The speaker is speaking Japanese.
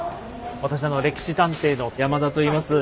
私「歴史探偵」の山田といいます。